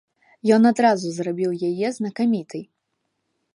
Ён адразу зрабіў яе знакамітай.